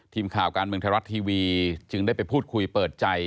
ทีมข่าวการเมืองไทยรัฐทีวีจึงได้ไปพูดคุยเปิดใจ